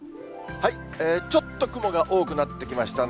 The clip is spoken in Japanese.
ちょっと雲が多くなってきましたね。